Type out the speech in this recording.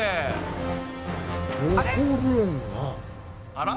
あら？